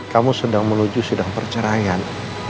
kamu sedang menuju sidang perceraian